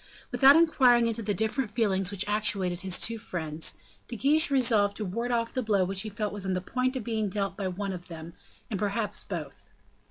Without inquiring into the different feelings which actuated his two friends, De Guiche resolved to ward off the blow which he felt was on the point of being dealt by one of them, and perhaps by both.